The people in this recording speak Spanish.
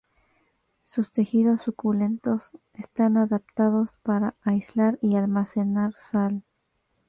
Sus tejidos suculentos están adaptados para aislar y almacenar sal.